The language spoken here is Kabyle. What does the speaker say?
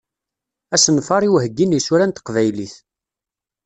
Asenfar i uheggi n yisura n teqbaylit.